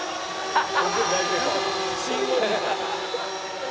あっ！